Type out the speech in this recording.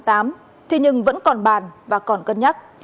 thế nhưng vẫn còn bàn và còn cân nhắc